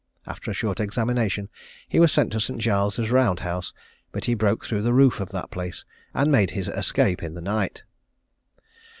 After a short examination, he was sent to St. Giles's round house; but he broke through the roof of that place and made his escape in the night.